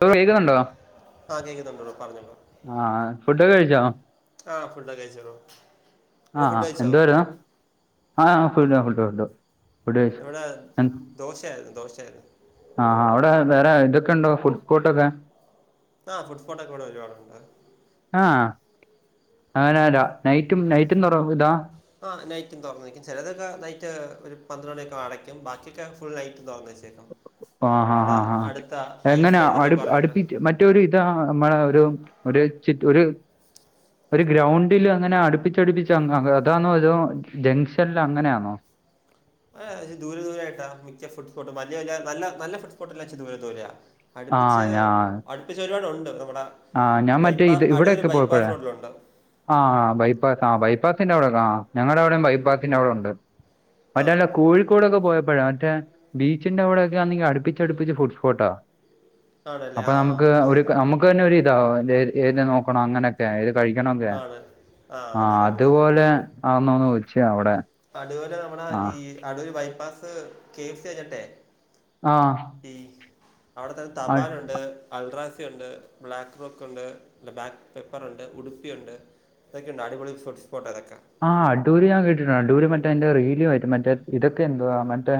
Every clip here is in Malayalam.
അപ്പൊ വീട് കണ്ടോ? ആ കേൾക്കുന്നുണ്ട് ബ്രോ പറഞ്ഞോളൂ ആ ഫുഡൊക്കെ കഴിച്ചോ? ആഹ് ഫുഡ്‌ ഒക്കെ കഴിച്ചടോ. ആഹ ആഹ് എന്തുവാരുന്ന്. ആഹ ഫു ഫുട് ഫുടു. എവിടെ ദോശയായിരുന്നു ദോശയായിരുന്നു. ആഹാ ആഹ് അവിടെ വേറെ ഇതൊക്കെ ഇണ്ടോ ഫുഡ് സ്പോട്ടൊക്കെ. ആഹ് ഫുട് സ്പോട്ടൊക്കെ ഇവിടെ ഒരുപാടുണ്ട്. ആഹ അങ്ങനരാ നൈറ്റും നൈറ്റും തുറ ഇതാ ആ നൈറ്റും തുറന്നു വെക്കും ചെലതൊക്കെ നൈറ്റ് ഒരു പന്ത്രണ്ട് മണിയൊക്കെ അടയ്ക്കും ബാക്കിയൊക്കെ ഫുൾ നൈറ്റും തൊറന്ന് വെച്ചേക്കും. ആഹ് ആഹ് ഇവിടെ ആഹ് അടുത്ത എങ്ങനെയ ഐസ്ലാൻഡ് എന്നൊക്കെ അടു പറഞ്ഞിട്ടുണ്ട് അടുപ്പിറ്റ് മറ്റ് മറ്റൊരു ഇതാ നമ്മളെ ഒരു ഒരു ചി ഒരു ഒരു ഗ്രൗണ്ടില് അങ്ങനെ അടുപ്പിച്ചടുപ്പിച്ച് അതാണോ അ തോ ജംഗ്ഷനിൽ അങ്ങനാണോ? ഹ് ദൂരെ ദൂരായിട്ടാ മിക്ക ഫുഡ്സ്പോട്ടും വല്ല്യ വല്ല്യ നല്ല നല്ല ഫുഡ്സ്പോട്ടെല്ലാം ഇച്ചിരി ദൂരെ ദൂരെയ അടുപ്പിച്ച് ആഹ് അടുപ്പിച്ചൊരുപാടുണ്ട് നമ്മുടെ ആ ഈ ഞാൻ മറ്റേ ബൈപ്പാ ഇത് അടൂർ ഇവിടൊക്കെ ബൈപ്പാസ് പോഴപ്പെയെ റോഡിലുണ്ട് ആ ബൈപ്പാസ് ആ ബൈപ്പാസിന്റെ അവിടൊക്കെ ആ ഞങ്ങട അവിടെയും ബൈപ്പാസിന്റെറെ അവിടെ ഉണ്ട് ആ മറ്റെല്ലേ കോഴി ഴിക്കോടൊക്കെ പോയപ്പഴാ മറ്റേ ബീച്ചിന്റെ അവിടൊക്കെണങ്കി അടുപ്പിച്ച് അടുപ്പിച്ച് ഫുഡ്സ്പോട്ട. ആണല്ലേ അപ്പൊ ആ നമ്മക്ക് ഒരു നമ്മുക്ക് തന്നെ ഒരു ഇതാ ഏത് നോക്കണോ അങ്ങനെ ലെ ഏത് കഴിക്കണൊക്കെ ആണ് ആ മനസ്സിലായി മനസ്സിലായി അതുപോലെ ആന്നോന്ന് ചോയ്ച്ചയ അവിടെ അടൂര് നമ്മുടെ ആ ഈ Adoor bypass K F C കഴിഞ്ട്ടെ, ആഹ്. ഈ അവിടുത്തെന്നെ തപാനുണ്ട്, അൽഡ്രാസി ഉണ്ട് ബ്ലാക്ക് റോക്ക് ഉണ്ട് അല്ല ബ്ലാക്ക് പെപ്പർ ഉണ്ട് ഉടുപ്പിയുണ്ട് അതൊക്കെണ്ട് അടിപൊളി ഫുഡ്സ്പോട്ട ഇതൊക്കെ ആഹ് അടൂര് ഞാൻ കേട്ടിട്ടുണ്ട് അടൂര് മറ്റേ ന്റെ റീല് വരും മറ്റേ ഇതൊക്കെ എന്തുവാ മറ്റേ,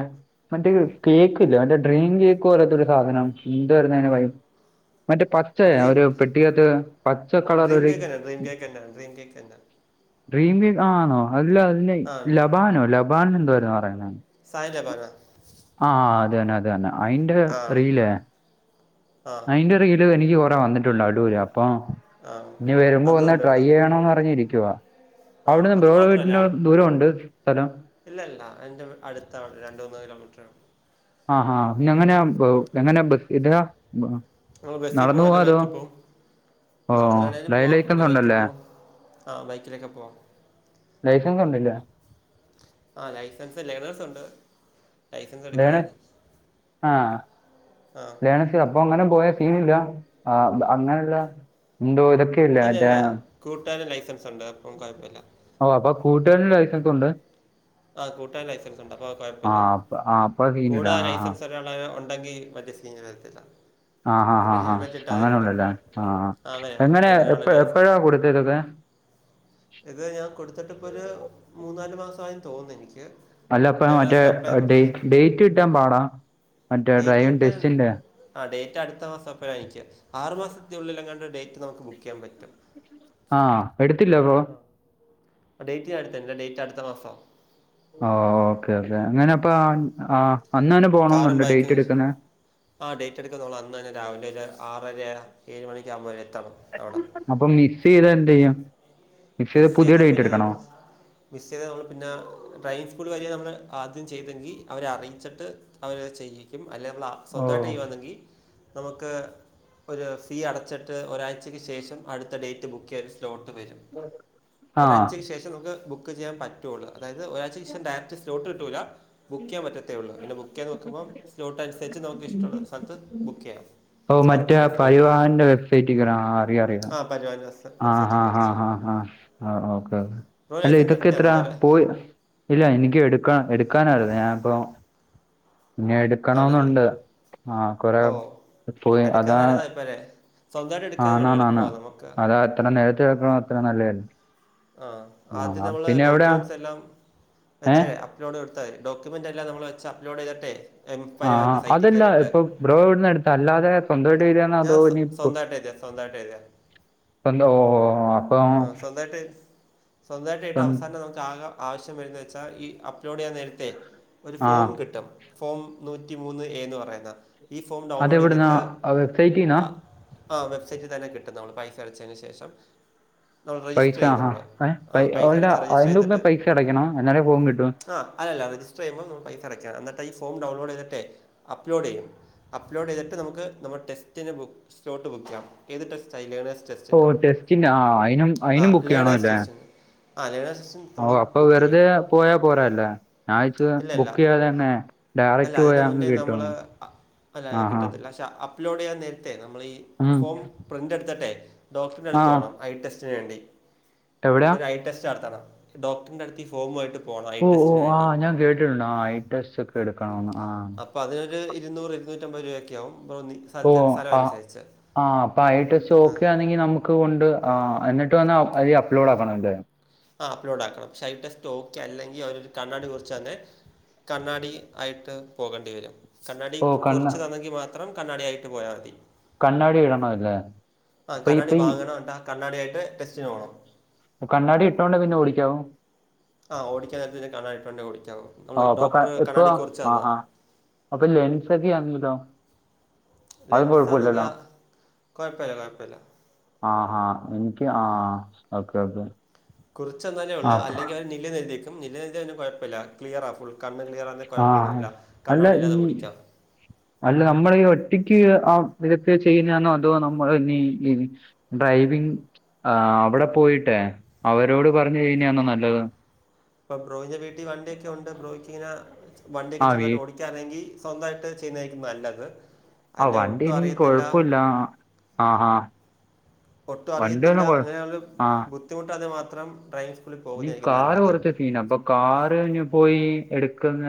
മറ്റേ കേക്ക് ല്ലെ മറ്റേ ഡ്രീം കേക്ക് പോലത്തൊരു സാധനം എന്താരുന്ന്‌ അതിന് പറയ മറ്റേ ആ പച്ചയ ഡ്രീം ഒരു പെട്ടിക്കത്ത് പച്ച കളർ ഡ്രീം ഒരു, കേക്ക് തന്നെ ഡ്രീം കേക്കെന്നെ ഡ്രീം കേക്ക്. എന്താ ഡ്രീംകേക്ക് ആണോ അല്ല അല്ലെ ആ ലബാനോ ലബാന എന്തൊ പറയുന്നെ. സൈൻലബാനോ? ആഹ് അതന്നെ അതന്നെ അയിന്റെ റീലേ ആഹ്, അയ്ന്റെ റീല് എനിക്ക് കൊറേ വന്നിട്ടുണ്ട് അടൂര് അപ്പൊ, ആ ഇനി വരുമ്പോ ഒന്ന് അതുണ്ട് ട്രൈ ഇവിടെ ചെയ്യണന്ന് പറഞ്ഞിരിക്കുവാ. ആ അവിടുന്ന് അത് ബ്രോടെ മാത്രമല്ല വീട്ടിന് ദൂരോണ്ട് സ്ഥലം? ഇല്ല ഇല്ല എൻ്റെ അടുത്താണ് രണ്ട് മൂന്ന് കിലോമീറ്ററേള്ളൂ. ആഹാ ആ പിന്നെ എങ്ങനെയ എങ്ങനെ ബസ് ഇതാ ബ- ഓഹ് ബസിൽ നടന്നു പോവും അല്ലെ പോവാ അതോ ബൈക്കിൽ പോവും. ഓ നടന്ന്‌ വേണെലും ഡ്രൈവിംഗ് പോവാം അല്ലെ ലൈസൻസ് ബൈക്കിൽ ഉണ്ടല്ലേ പോവാം ആ ബൈക്കിലൊക്കെ പോവാം. ലൈസൻസ് ഉണ്ടില്ലേ? ആഹ് ലൈസൻസ് ലേണേഴ്‌സ് ഉണ്ട്. ലൈസൻസ് എടുക്കണം ലേണേ ഇനി ആഹ് ആ ലേണേ അപ്പൊങ്ങെനെ പോയാ സീനില്ല അ അങ്ങനെല്ല എ ദൂരത്ത്ക്ക് ഇല്ല ഇല്ല കൂട്ടാരന് ലൈസൻസ് ഉണ്ട് അപ്പം കൊഴപ്പല്ല. ഓ അപ്പൊ കൂട്ടാര്നും ലൈസൻസ് ഉണ്ട്, ആഹ് കൂട്ടാരൻ ലൈസൻസ്ണ്ട് അപ്പൊ ആ കൊഴ്പ്പല്ല അപ്പ- ആ അപ്പോൾ സീനില്ല കൂടാ ആ ആ ലൈസൻസ് ണ്ടാക ഉണ്ടെങ്കി മറ്റേ സീന് വരത്തില്ല. ആ ഹാ ഹാ പിന്നെ ഹാ ഹെൽമെറ്റ് അങ്ങനെ ഇട്ടാതെയല്ലോ ഉണ്ടല്ലേ ആഹ് ആഹ് ആ അങ്ങനെയാണ് എങ്ങനെയ കൂടെ ഒരാൾ എപ്പോ ലൈസൻസ് എപ്പോഴാ കൊടുത്തെ ഇതൊക്കെ ഇത് ഞാൻ കൊടുത്തിട്ടിപ്പൊരു മൂന്നാല് മാസായി തോന്നു എനിക്ക് അല്ലപ്പ മറ്റേ ലേണേഴ്സിന് അപ്ലൈ ഡേ കൊടുത്തത് ഡേറ്റ് കിട്ടാൻ പാടാ മറ്റേ ഡ്രൈവിംഗ് ടെസ്റ്റിന്റെ, ആഹ് ഡേറ്റ് അടുത്ത മാസം എപ്പഴേ അയിക്ക ആറു മാസത്തിനുള്ളിൽ അങ്ങാണ്ട് ഡേറ്റ് നമുക്ക് ബുക്ക് ചെയ്യാൻ പറ്റും. ആഹ് എടുത്തില്ലെ അപ്പൊ, ആ ഡേറ്റ് അടുത്തല്ല, ഡേറ്റ് അടുത്ത മാസോ. ഓക്കേ ഓക്കേ അങ്ങനെപ്പ ആ അന്നന്നെ പോണോന്നുണ്ടൊ ഡേറ്റ് എടുക്കുന്നെ, ആഹ് ഡേറ്റ് എടുക്കുന്നോള് അന്നെന്നെ രാവിലെ ആറര ഏഴ് മണിക്ക ആകുമ്പോ എത്തണം അവിട. അപ്പൊ മിസ്സ് ചെയ്ത എന്ത് ചെയ്യും മിസ്സ് ചെയ്ത മിസ് പുതിയ ചെയ്താൽ ഡേറ്റ് പിന്നെ നമ്മൾ എടുക്കണോ? മിസ് ചെയ്താൽ നമ്മൾ പിന്ന ഡ്ഡ്രൈവിംഗ് സ്കൂൾ വഴി നമ്മൾ ആദ്യം ചെയ്തെങ്കിൽ അവരെ അറിയിച്ചിട്ട്, അവര് ചെയ്യിക്കും അല്ലെ മ്മള് ഓ സ്വന്തായിട്ട് ചെയ്യാന്നെങ്കിൽ നമക്ക് ഒരു ഫീ അടച്ചിട്ട് ഒരാഴ്ചയ്ക്ക് ശേഷം അടുത്ത ഡേറ്റ് ബുക്ക് ചെയ്ത് സ്ലോട്ട് വരും. ആ ഒരാഴ്ചക്ക് ശേഷം നമുക്ക് ബുക്ക് ചെയ്യാൻ പറ്റൂള്ളൂ അതായത് ഒരാഴ്ചക്ക് ശേഷം ഡയറക്റ്റ് സ്റ്റോട്ട് കിട്ടൂല്ല. ബുക്കെയ്യാൻ പറ്റത്തെള്ളൂ പിന്നെ ബുക്ക് ചെയാൻ നോക്കബം സ്ലോട്ടനുസരിച്ച് നമുക്ക് ഇഷ്ടള്ള സ്ഥലത്ത് ബുക്ക് ചെയ്യാം. ഓഹ് മറ്റേ ഉറപ്പിക്കാം സ്ലോട്ട് പരിവാഹന്റെ വെബ്സൈറ്റ്ക്കേറാ ആഹ് അറിയാം അറിയ. ബജോജറസ്. ആഹ് ആഹ് ആഹ് ഹ ആഹ് ഓകെ കെ ബ്രോ അല്ലെ ലൈസൻസ് എടുത്തതാണോ ഇതൊക്കെത്ര അതല്ലേ പോയി ഇല്ല എനിക്ക് എടുക്ക എടുക്കാനരുന്നു ഞാനിപ്പോ പിന്നെ ആണല്ലേ എടുക്കണന്നുണ്ട്. ആഹ് കൊറെ ഓ പോയി എടുക്കാൻ അതാ നല്ലതായിപ്പോൾ അല്ലേ സ്വന്തമായിട്ട് എടുക്കാനുള്ള ആണാണാണ്. എളുപ്പമാണ് നമുക്ക് അ എത്ര നേരത്ത് ആക്കണോ അത്ര നല്ലതല്ലേ? ആഹ് ആദ്യം നമ്മള് എവിടെയാ ഡോക്യുമെന്റ്സ് എല്ലാം ഏ വെച്ചല്ലേ? അപ്ലോഡ് കൊടുത്താതി ഡോക്യെുമെൻ്റല്ലാം നമ്മള് വെച്ച് അപ്ലോഡ് ചെയ്തിട്ടെ ആഹ അതല്ല ഇപ്പൊ ബ്രോ ഇവിടുന്ന എടുത്ത് അല്ലാതെ സ്വന്തം രീതിയാണോ അതോ ഇനി സ്വന്തായിട്ടെഴ്തിയ സ്വന്തായിട്ടെതിയ അപ്പെന്താ ഓ ഓ അപ്പം ന്നിട്ട് സ്വന്തമായിട്ടായിട്ട് അവസാനം നമുക്ക് ആക ആവശ്യം വരന്ന് വച്ചാൽ ഈ അപ്ലോഡ് ചെയ്യാൻ നേരത്തെ ഒരു ആ ഫോം കിട്ടും ഫോം നൂറ്റിമൂന്ന് എ എന്ന് പറയുന്നെ. ഈ ഫോം ഡൗൺലോഡ് അതെവിടുന്നാ ചെയ്തിട്ട് വെബ്സൈറ്റിൽ നിന്നാ ആ ആ വെബ്സൈറ്റിൽ തന്നെ കിട്ടും നമ്മള് പൈസ അടച്ചേന് ശേഷം നമ്മൾ രജിസ്റ്റർ ചെയ്യുന്നു നമ്മള്. എ അവ്ട അതിന്റെ മുമ്പേ പൈസ അടയ്ക്കണം എന്നാലേ ഫോം കിട്ടൂ? ആ അല്ലല്ല റജിസ്റ്റർ ചെയുമ്പൾമ്മൾ പൈസ അയ്ക്കാ എന്നട്ട് ഈ ഫോം ഡൗൺലോഡ് ചെയ്തിട്ടെ അപ്ലോഡ് ചെയ്യും. അപ്ലോഡ് ചെയ്തിട്ട് നമക്ക് നമ്മ ടെസ്റ്റിന് സ്ലോട്ട് ബുക്കെയ്യാം. ഏത് ടെസ്റ്റ് ആയി ലേണേഴ്സ് ഓ ടെസ്റ്റിന് ടെസ്റ്റിൻ്റെ ആ അതിനും ആ അതിനും ബുക്ക് ലേണേഴ്സ് ചെയ്യണമല്ലേ ടെസ്റ്റ്. ആഹ് ലേണേഴ്സ്. ഓ അപ്പൊ ബുക്ക് ചെയ്യും വെറുതെ പോയാ പോരാല്ലേ ഞാവിചാര്ച്ച് ഇല്ല ഇല്ല ബുക്ക് ചെയ്യാതെന്നെ. അല്ല അതിന് മുന്നേ നമ്മള് അല്ല ആഹാ കിട്ടത്തില്ല പക്ഷെ. അപ്ലോഡ് ചെയ്യാൻ നേരത്തെ നമ്മളീ ഉം ഫോം പ്രിൻറ് എടുത്തിട്ടെ ഡോക്യുമെൻ്റ് ആ എടുത്ത് പോണം. ഐ ടെസ്റ്റിന് വേണ്ടി എവിടെയാ അൻ്റൊരു ഐ ടെസ്റ്റ് നടത്തണം ഡോക്ടറിൻ്റ അടുത്ത് ഫോം ആയിട്ട് ഓ ഓ ആഹ് ഞാൻ കേട്ടിട്ടുണ്ട് ആ ഐ ടെസ്റ്റ് ഒക്കെ. ഉം എടുക്കണമെന്ന് ആ അപ്പൊ അതിനൊരു ഇരുന്നൂറ് ഇരുന്നൂറ്റമ്പത് രൂപൊക്കെ ആവും. ഓ സ്ഥലത്തെ സ്ഥലം ആ അനുസരിച്ച് ആ അപ്പൊ ഐ ടെസ്റ്റ് ആ ഓക്കെ ആണെങ്കിൽ നമക്ക് കൊണ്ട് എന്നിട്ട് വന്ന് അതി അപ്ലോഡ് ആക്കണം ലേ? അപ്ലോട് ആക്കണം പക്ഷേ ഓക്കെ അല്ലെങ്കിൽ അവരൊരു കണ്ണാടി കുറിച്ച് തന്നെ. കണ്ണാടി ആയിട്ട് പോകേണ്ടി വരും. കണ്ണാടി ഓ കണ്ണ കുറച്ച് തന്നെങ്കിൽ മാത്രം കണ്ണാടി ആയിട്ട് പോയാമതി. കണ്ണാടി ഇടണം ല്ലേ? ആ കണ്ണാടി വാങ്ങണം എന്നിട്ട് ആ കണ്ണാടി ആയിട്ട് ടെസ്റ്റിന് പോണം. കണ്ണാടി ഇട്ടോണ്ടേ പിന്നെ ഓടിക്കാവോ? ആ ഓടിക്കൻ നേരത്ത് കണാടിട്ടോണ്ടേ ഓടിക്കാവൂ നമ്മൾ ആ അപ്പൊ ക- ഡോക്ടറ് ഇപ്പൊ കണ്ണാടി കുറിച്ച് തന്നാതാ ആഹാ അപ്പൊ ലെൻസ് ഒക്കെ ആണെങ്കിലൊ? ലെൻസാണെങ്കിൽ കൊഴപ്പല്ല കൊഴപ്പല്ല. ആഹാ ഇനിക്കി ആ ഓക്കെ ഓക്കെ. കുറിച്ചന്നാലെ ആ ഉള്ളൂ അല്ലെങ്കിൽ അവർ നില്ല്ന്ന് എഴുതിവെക്കും നില്ന്നെഴ്തിയ പിന്നെ കുഴപ്പല്ല. ക്ലിയറാ ഫുൾ കണ്ണ് ക്ലിയറ ആണെ ആ കുഴപ്പൊന്നില്ല അല്ല ഈ കണ്ണാടില്ലാതെ ഓടിക്കാം. അല്ല നമ്മളീ ഒറ്റിക്ക് ആ ഇതൊക്കെയ ചെയ്യുന്നണോ അതോ നമ്മൾ ഇ ഡ്രൈവിങ് ആ അവിടെ പോയിട്ടെ അവരോട് പറഞ്ഞു കഴിഞ്ഞാന്നോ നല്ലത്. ഇപ്പ ബ്രോന്റെ വീട്ടി വണ്ടി ഒക്കെ ഉണ്ട് ബ്രോയ്ക്കിങ്ങനെ വണ്ടി ഒക്കെ ആ വീ ചെറ്തായിട്ട് ഓടിക്ക അറിയെങ്കി സ്വന്തമായിട്ട് ചെയ്യുന്നേക്കും നല്ലത്. ആ അല്ലെ വണ്ടി ഒട്ടും എനിക്ക് അറിയത്തില്ല കൊഴപ്പുല്ല ആഹഹ ഒട്ടും അറിയത്തില്ല അങ്ങനെയരു ആ ബുദ്ധിമുട്ടാതെ മാത്രം ഡ്രൈവിങ് സ്കൂളിൽ പോകുന്നയായിരിക്കും നല്ലത് പിന്നെ അപ്പൊ കാറിന് പോയി എടുക്കുന്ന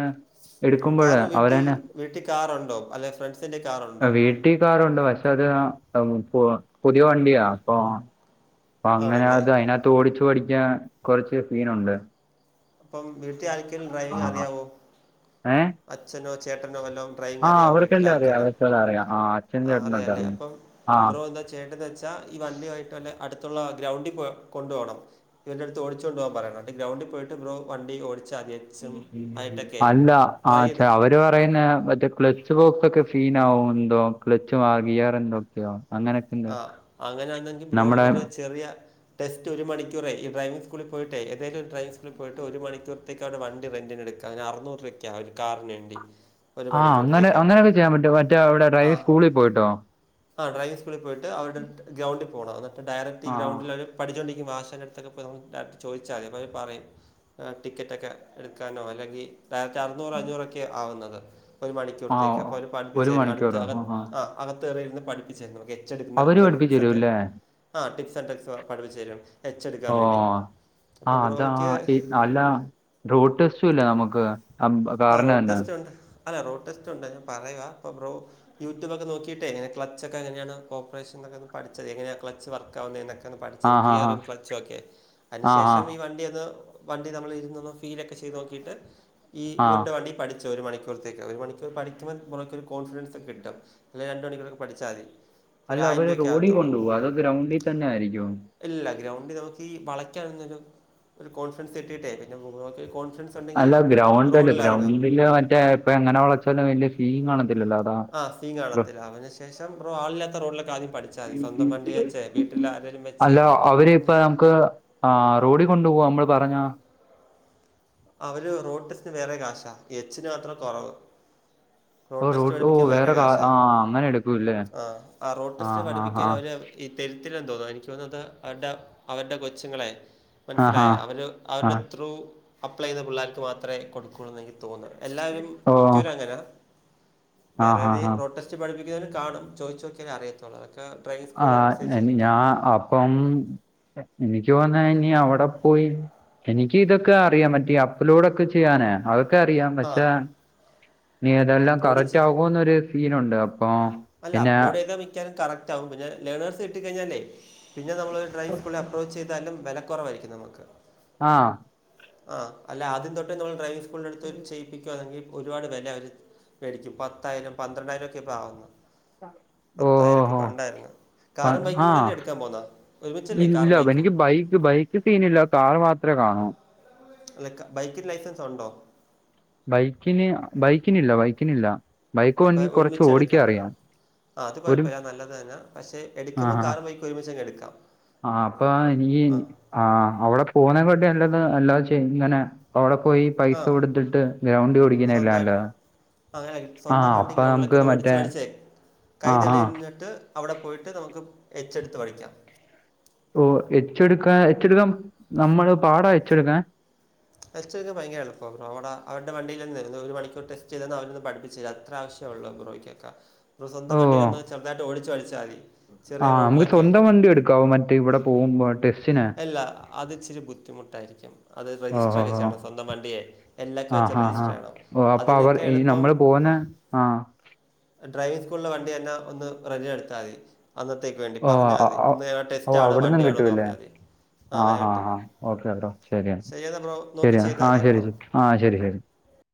എടുക്കുമ്പോൾ കാറ് അവർ വീട്ടി തന്നെ വീട്ടിൽ കാറുണ്ടോ അല്ലെ ഫ്രണ്ട്സിന്റെ കാറുണ്ടോ? വീട്ടിക്കാറുണ്ട് പക്ഷെ അത് പുതിയ വണ്ടിയാ അപ്പൊ അപ്പൊ അങ്ങനെ ആണല്ലേ അത് അയിനകത്ത് ഓടിച്ച് പഠിക്കാൻ കൊറച്ച് സീനുണ്ട്. അപ്പം വീട്ടിൽ ആരിക്കലും ഡ്രൈവിംഗ് അറിയാവോ? ഏഹ് അച്ഛനോ ചേട്ടനോ വല്ലോ ഡ്രൈയിങ്ങ് അറിയമോ വീട്ടില അവർക്കെല്ലാം അറിയാം ആരിക്കല്ലാം അവർക്കെല്ലാം അറിയാം ആ അച്ഛനും ആ ചേട്ടനുമൊക്കെ അറിയല്ലേ അറിയാം അപ്പം ആ ബ്രോ എന്താ ചെയ്യണ്ടെന്ന് വെച്ചാ ഈ വണ്ടിയായിട്ട് വല്ല അടുത്തുള്ള ഗ്രൗണ്ടിൽ പോ കൊണ്ടു പോണം ഇവൻ്റടുത്ത് ഓടിച്ചോണ്ടു പോവാൻ പറയണം ഈ ഗ്രൗിൽ പോയിട്ട് ബ്രോ വണ്ടി ഓടിച്ച് ആദ്യ അല്ല ആ ചെയ്ത് അവ അവ പറയുന്ന മറ്റേ ക്ലച്ച് ബോക്സ് ഒക്കെ ഫീൻ ആവും എന്തോ ക്ലച്ച് മാർഗിയാർ എന്തോക്കെയോ അങ്ങനെ ആ അങ്ങനൊന്നെങ്കി പ്രോ ഒരു ചെറിയ ടെസ്റ്റ് ഒരു മണിക്കൂർ ഡ്രൈവിംഗ് സ്കൂളിൽ പോയിട്ട് ഏതങ്കിലും ഡ്രൈവിംഗ് സ്കൂളിൽ പോയിട്ട് ഒരു മണിക്കറത്തേക്കവിടെ വണ്ടിറെന്റിന് എടുക്കും അതിന് അറുന്നൂറു രൂപയ്ക്ക് ഒരു കാറിന് എംഡി ആഹ് അങ്ങനെ അങ്ങനെയൊക്കെ ചെയ്യാൻ പറ്റും മറ്റേ അവിടെ ആ ഡ്രൈവ സ്കൂളിൽ പോയിട്ടോ പോയി് അവരുടെ ഗ്രൗണ്ടിൽ പോകണം എന്നട്ട് ഡയറക്ട് ഈ ആ ഗ്രൗണ്ടില പഠിച്ചുകൊണ്ടിരിക്കും ആശടുത്തൊക്കെ ചോദിച്ചാൽ മതി പറയും ടിക്കറ്റൊക്കെ എടുക്കാനോ അല്ലെങ്കിൽ ഡയറക്റ്റ് അറുന്നൂറ് അഞ്ഞൂറൊക്കെയ ആവുന്നത് ഒരു ആ മണിക്കൂറത്തേക്ക് അപ്പോൾ അവര് പഠിപ്പിച്ചു ഒരു തരും അടുത്ത് മണിക്കൂറോ അകത്ത് ആ അകത്തേറിയിൽരുന്ന് പഠിപ്പിച്ചു തരുന്നു ടുന്ന അവര് പഠിപ്പിച്ചു ട്രിക്സ് ഒക്കെ തരുമല്ലേ ആ ടിപസ് ട്രക്സ് പഠിപ്പിച്ചുരും എച്ചെടുക്കാൻ ഓ വേണ്ടി ആ അപ്പോൾ അതാ ബ്രോഹക്ക് ഈ അല്ല റോഡ് ടെസ്റ്റുംല്ല നമുക്ക് ആഹ് കാറിന് റോഡ് തന്നെ ടെസ്റ്റ്ണ്ട് അല്ല റോഡ് ടെസ്റ്റ് ഉണ്ട് ഞാൻ പറയാ അപ്പം ബ്രോ യൂട്യൂബ്ക്കെ നോക്കിയിട്ട എങ്ങനെ ക്ലൊക്ക എങ്ങനെയാണ് കോപ്പറേഷൻ ഒക്ക ഒ പിച്ചത് എങ്ങനെയ ക്ലച്ച് വർക്ക് ക്കന്ന് ആ പഠിച്ചത് ആ ആ ഗിയറും ഫ്ലച്ചും ഒക്കെ ആ അതിനുശേഷം ഈ വണ്ടിതെ വണ്ടി നമ്മൾ ഇരുന്നൊന്ന് ഫീലൊക്കെ ചെയ്ത് നോക്കിയിട്ട് ഈ ആ ആ ഇവരുടെ വണ്ടി പഠിച്ച് ഒരു മണിക്കൂറത്തേക്ക് ഒരു മണിക്കൂർ പഠിക്കുമ്പോൾ പുറക്കൊ ഒരു കോൺഫിഡൻസ് കിട്ടും അല്ലെങ്കിൽ രണ്ടു മണിക്കുർ പഠിച്ചാൽ മതി ഇപ്പോൾ ഒരു അല്ല ആയിരം അവര് രൂപയൊക്കെ റോഡിൽ ആകത്തുള്ളൂ കൊണ്ടുപോകും അത ഗ്രൗണ്ടിൽ തന്നെ ആയിരിക്കും ഇല്ല ഗ്രൗണ്ടിൽ നമുക്ക് ഈ വളയ്ക്കൻന്ന ഒരു കോൺഫിഡൻസ് കിട്ടിയിട്ടേ പിന്നെഗ കോ അല്ല ഗ്രൗണ്ട്ല്ല ഗ്രൗണ്ടില് മറ്റേ ഇപ്പ എങ്ങനെള ഇപ്പോ വലിയ സീൻകാണത്തില്ലല്ലോ അതാ ആ സീൻ കാണത്തില്ല അതിന് ശേഷം ബ്രോ ആളില്ലാത്ത റോഡിലൊക്കെ ആദ്യം പഠിച്ചാൽ മതി സ്വന്തം വണ്ടി വെച്ച് വീട്ടിൽ ആരെങ്കിലും വെച്ച് അല്ല അവര് ഇപ്പ നമുക്ക് ആഹ് റോഡിൽ കൊണ്ടു പോവോ നമ്മള് പറഞ്ഞാ അവര് റോട്ടടെസ്ന് വേറെ കാശാ എച്ചിന് മാത്രം കുറവ് ഓ റോഡ് ടെസ്റ്റ് ഓ പഠിപ്പിക്കാൻ വേറെ കാ കാശാ ആ അങ്ങനെ എടുക്കൂല്ലേ ആഹ് ആഹ് റോഡ് ആ ടെസ്റ്റ് ഹാ പഠിപ്പിക്കാൻ ഹാ ഒര ഈ തെരുത്തില എ തോന്നുന്നു എനിക്ക് തോന്നത് അവരുടെ അവരുടെ കൊച്ചുങ്ങളെ ആ മനസ്സിലായ ഹാ അവർ ആ അവരുടെ ത്രൂ അപ്ലൈ ചെയ്ത പിള്ളേർക്ക് മാത്ര കൊടുകെള്ളു എനിക്ക് തോന്ന് എല്ലാവരും ഓ മിക്കവരും അങ്ങനാ ആ ഹാ വേറെര് ഹാ റോട്ടസ് പഠിക്കുന്നതിനും കാണും ചോയിച്ചോക്യാ അറിയതോള്ളു ആഹ് എനി ഞാ അപ്പം എനിക്ക് പോന്ന ഇനി അവിടെ പോയി എനിക്ക് ഇതൊക്കെ അറിയാം മറ്റേ അപ്പ്ലോഡൊക്കെ ചെയ്യാനെ അ ക്കെ അറിയാം ആ പക്ഷെ ഇനി അതെല്ലാം അപ്ലോഡ് കറക്റ്റ് ചെ- ആകുമന്നൊരു സീനുണ്ട് അപ്പമ് അല്ല അപ്ലോഡ് ചെയ്താ മിക്കാനും കറക്റ്റ് ക്കും പിന്നെ ലേണേഴ്സ് കിട്ടി കഴിഞ്ഞല്ലേ പിന്നെ നമ്മൾ ഡ്രൈ സ്കൂളിൽ അപ്രോച്ച് ചെയ്താലും വേല കൊറവായിരിക്കും നമുക്ക് ആഹ് ആഹ് അല്ല ആദ്യം തൊട്ട് നമ്മൾ ഡ്രൈവിംഗ് സ്കൂളിഅടുത്ത് ചെ പിക്കെങ്കിൽ ഒരുപാട് വില അവര് പേടിച്ച് പത്തായിരം പന്ത്രണ്ടായിരം ഒക്കെ ഇപ്പ ആവ ഓ ഓ പത്തായിരക്കെ ഓ പണ്ടായിന്നു പ- കാറും ബൈക്കും ആ കൂടെയല്ലേ എടുക്കാൻ പോന്നാ ഒരുമിച്ചല്ലേ കാറും ബൈക്കും ക്കിട്ടിനലോ കാർ മാത്രേ കാണു അല്ല ബൈക്കിൽ ലൈസൻസ് ഉണ്ടോ ബൈക്കിന് ബൈക്കിനില്ല ബൈക്കിനില്ല ബൈക്ക് അപ്പൊ എനിക്ക് കുറച്ച് ഒരുമിച്ച് ഓടിക്കാൻ എടുക്കാം അറിയാം ആഹ് അത് ഒരു കുഴപ്പമില്ല നല്ലത് തന്നെ പക്ഷെ എടുക്കുമ്പോം കാറ് ബൈ ഒരുമിച്ചങ്ങ് എട്ക്കാം ആഹ് അപ്പ ആ ഇനികി ആഹ് അവിടെ പോണ ക്കാടി നല്ലത് എല്ലാ ഇങ്ങനെ അവടെ പോയി ആ പൈസ കൊടുത്തിട്ട് ഗ്രൗണ്ട് സ്വന്തമായിട്ട് കുടിക്കുന്നല്ലല്ലോ അങ്ങനെ സ്വന്തം വണ്ടി ഗ്രൗണ്ടിലകെ ഒന്ന് ഓടിച്ച് മറ്റേ പഠിച്ചേ കൈ ആ ആ തെളിഞ്ഞിട്ട് അവിടെ പോയിട്ട് നമുക്ക് എച്ചെട്ത്ത് പഠിക്കാം ഓ എച്ചെട്ക്കാ എച്ചെടുക്കാൻ നമ്മള് പാടാ എച്ചെട്ക്കാൻ ടെസ്റ്റ് എടു ഭയങ്ക എള്ളൂപ്പവു റോഡാ അവടെ വണ്ടിയിരുന്നു ഒരു മണിക്കൂർ ടെസ്റ്റ് ചെയ്ത അവ പഠിപ്പിച്ച അത്ര ആവശ്യ ഒള്ളു ബ്രോയ്ക്കക്ക സ്വന്തം വണ്ടിന്ന് ചെറുതായിട്ട് ഓടിച്ചു പാടിച്ചാല് ആഹ് നമുക്ക് സ്വന്തം വണ്ടി എടുക്കാവും മറ്റേ ഇവടെ പോവുമ്പോ എല്ല അത് ഇച്ചിരി ബുദ്ധിമുട്ടായിരിക്കും അത് ഓ രജിസ്റ്റർ ഓ ഓ ചെയ്യണം സ്വന്തം വണ്ടിയെ എല്ലാക്കെ ആ വെച്ച് ഹാ രജിസ്റ്റർ ചെയ്യണം അതിനൊക്കെ എള്പ്പം പോന ആഹ് ഡ്രൈവിംഗ സ്കൂളില വണ്ടി തന്ന ഒന്ന് റെറ്റ് ന് എടുത്താ തി അന്നത്തേക്ക് വേണ്ടി ഓ പറഞ്ഞാ ആ, തി ആ, ഇന്ന് ഞ ടെസ്റ്റ ആണ് വണ്ടിവേണോന്ന് പറഞ്ഞാ തി ആഹ് ആഹ് ആഹ് ഓക്കെ ട്ടൊ ശരിയ ശരി എന്നാൽ ബ്രോ നോക്കി ശരിയ ചെയ്താൽ ആഹ് മതി ശരി കേട്ടോ ശരി ആഹ് ശരി ശരി